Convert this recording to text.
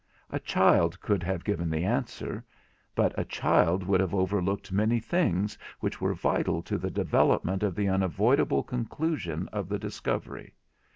A child could have given the answer—but a child would have overlooked many things which were vital to the development of the unavoidable conclusion of the discovery.